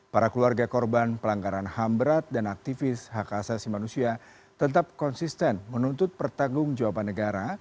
para keluarga korban pelanggaran ham berat dan aktivis hak asasi manusia tetap konsisten menuntut pertanggung jawaban negara